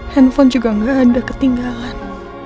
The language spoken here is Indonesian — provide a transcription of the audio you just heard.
handphone juga gak ada ketinggalan